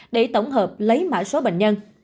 để tổng hợp lấy mã số bệnh nhân